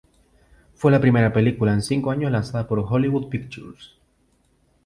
Fue la primera película en cinco años lanzada por Hollywood Pictures.